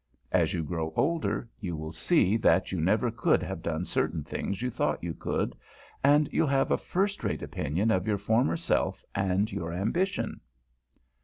As you grow older, you will see that you never could have done certain things you thought you could, and you'll have a first rate opinion of your former self and your ambition.